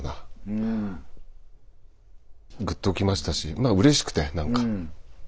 ぐっときましたしうれしくて何か。